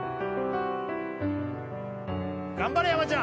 頑張れ山ちゃん！